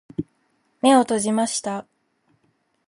目を閉じました。